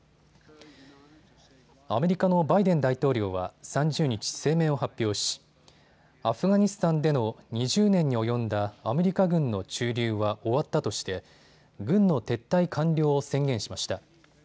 アメリカのバイデン大統領は３０日、声明を発表しアフガニスタンでの２０年に及んだアメリカ軍の駐留は終わったとして軍の撤退完了を宣言しました。